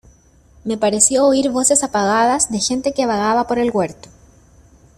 me pareció oír voces apagadas de gente que vagaba por el huerto.